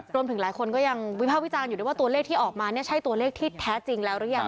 รวมถึงหลายคนก็ยังวิภาควิจารณ์อยู่ด้วยว่าตัวเลขที่ออกมาเนี่ยใช่ตัวเลขที่แท้จริงแล้วหรือยัง